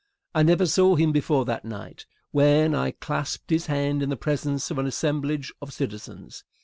I never saw him before that night, when I clasped his hand in the presence of an assemblage of citizens.